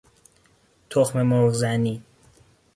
تخم مرغ زنی